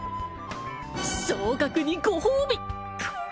昇格にご褒美くう